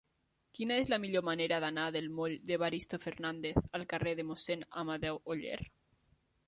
Quina és la millor manera d'anar del moll d'Evaristo Fernández al carrer de Mossèn Amadeu Oller?